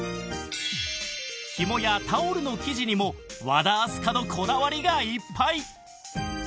ひもやタオルの生地にも和田明日香のこだわりがいっぱい！